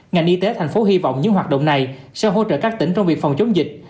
ngành y tế thành phố hy vọng những hoạt động này sẽ hỗ trợ các tỉnh trong việc phòng chống dịch